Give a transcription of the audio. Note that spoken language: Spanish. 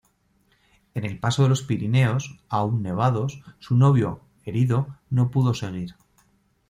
En el paso de los Pirineos, aún nevados, su novio, herido, no pudo seguir.